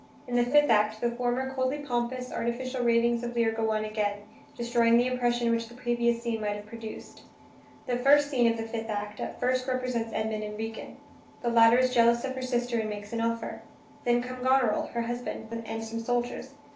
In the fifth act, the former coldly pompous, artificial ravings of Lear go on again, destroying the impression which the previous scene might have produced. The first scene of the fifth act at first represents Edmund and Regan; the latter is jealous of her sister and makes an offer. Then come Goneril, her husband, and some soldiers.